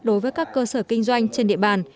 đối với các cơ sở kinh doanh trên địa bàn